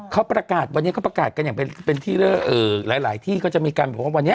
เขาประกาศวันนี้เขาประกาศกันอย่างเป็นที่หลายที่ก็จะมีการบอกว่าวันนี้